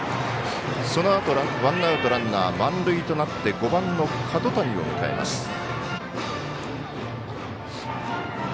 そのあと、ワンアウトランナー満塁となって５番の角谷を迎えます。